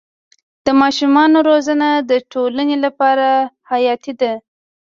د ماشومانو روزنه د ټولنې لپاره حیاتي ده.